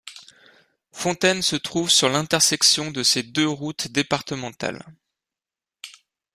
Fontaine se trouve sur l'intersection de ces deux routes départementales.